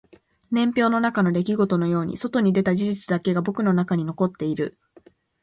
年表の中の出来事のように外に出た事実だけが僕の中に残っている